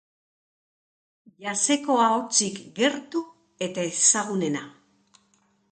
Jazz-eko abotsik gertu eta ezagunena.